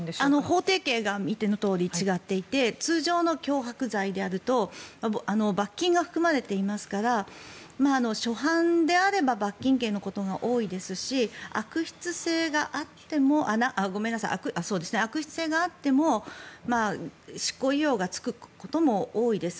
法定刑が見てのとおり違っていて通常の脅迫罪であると罰金が含まれていますから初犯であれば罰金刑のことが多いですし悪質性があっても執行猶予がつくことも多いです。